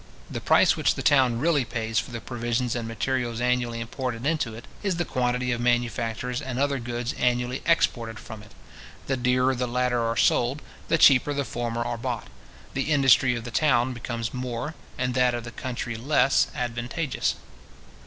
The price which the town really pays for the provisions and materials annually imported into it, is the quantity of manufactures and other goods annually exported from it. The dearer the latter are sold, the cheaper the former are bought. The industry of the town becomes more, and that of the country less advantageous.